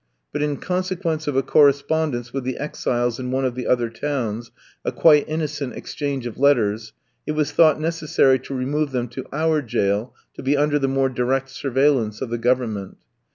But in consequence of a correspondence with the exiles in one of the other towns a quite innocent exchange of letters it was thought necessary to remove them to our jail to be under the more direct surveillance of the government.